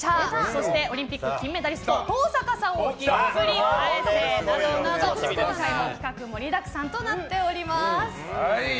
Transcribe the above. そしてオリンピック金メダリスト登坂さんをひっくり返せ！など企画盛りだくさんとなっております。